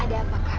ada apa kak